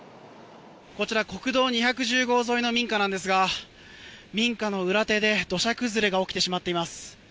こちら国道２１０号沿いの民家なんですが民家の裏手で土砂崩れが起きてしまっています。